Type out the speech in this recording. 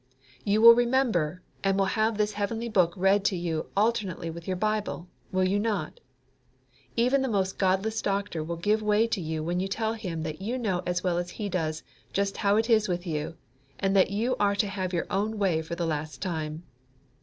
You will remember, and will have this heavenly book read to you alternately with your Bible, will you not? Even the most godless doctor will give way to you when you tell him that you know as well as he does just how it is with you, and that you are to have your own way for the last time.